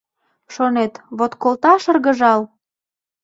Шонет, вот колта шыргыжал.